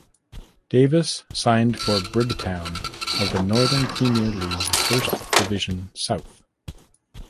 Davis signed for Brigg Town of the Northern Premier League First Division South.